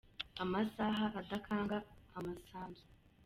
Amasaha adakanga amasanzu